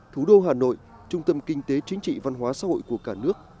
thủ đô hà nội trung tâm kinh tế chính trị văn hóa xã hội của cả nước